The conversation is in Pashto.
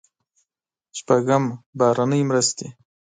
شپږم: بهرنۍ مرستې.